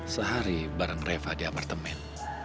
sehari bareng reva di apartemen